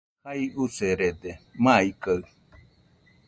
Jai userede, maikaɨ